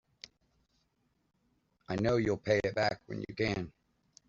I know you'll pay it back when you can.